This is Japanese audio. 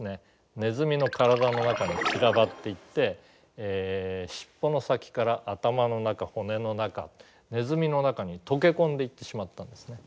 ネズミの体の中に散らばっていって尻尾の先から頭の中骨の中ネズミの中に溶け込んでいってしまったんですね。